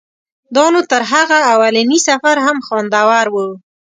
دا نو تر هغه اولني سفر هم خوندور و.